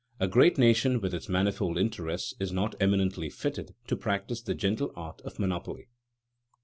A great nation with its manifold interests is not eminently fitted to practice the gentle art of monopoly.